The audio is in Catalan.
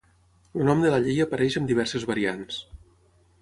El nom de la llei apareix amb diverses variants.